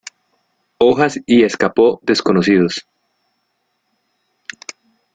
Hojas y escapo desconocidos.